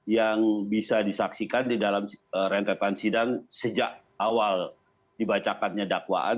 yang bisa disaksikan di dalam rentetan sidang sejak awal dibacakannya dakwaan